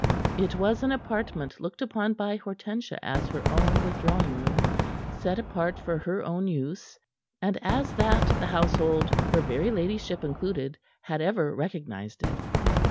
It was an apartment looked upon by Hortensia as her own withdrawing room, set apart for her own use, and as that the household her very ladyship included had ever recognized it.